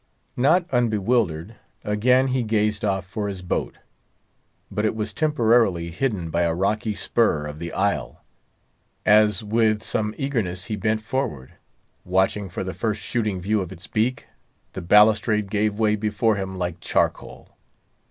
Not unbewildered, again he gazed off for his boat. But it was temporarily hidden by a rocky spur of the isle. As with some eagerness he bent forward, watching for the first shooting view of its beak, the balustrade gave way before him like charcoal.